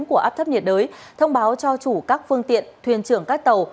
của áp thấp nhiệt đới thông báo cho chủ các phương tiện thuyền trưởng các tàu